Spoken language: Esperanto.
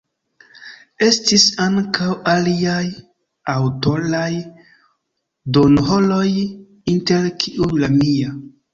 Estis ankaŭ aliaj aŭtoraj duonhoroj, inter kiuj la mia.